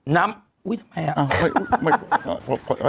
น้ำอุ๊ยทำไมอ่ะ